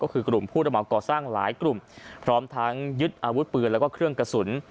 ก็คือกลุ่มผู้ระเหมาก่อสร้างหลายกลุ่มพร้อมทั้งยึดอาวุธปืนแล้วก็เครื่องกระสุน